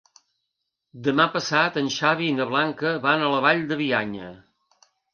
Demà passat en Xavi i na Blanca van a la Vall de Bianya.